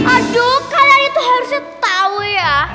aduh kalian itu harusnya tau ya